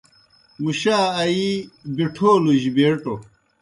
مُشا آیِی بِٹَھولوْجیْ بیٹوْ۔